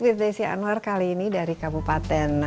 with desi anwar kali ini dari kabupaten